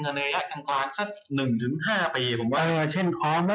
ลงทุนประกันชีวิตประเภทประมาณ